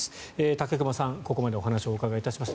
武隈さんにここまでお話をお伺いいたしました。